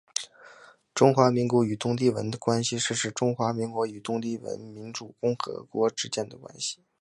中华民国与东帝汶关系是指中华民国与东帝汶民主共和国之间的关系。